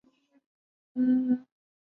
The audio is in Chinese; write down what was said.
能引起溶血反应的物质称为溶血素。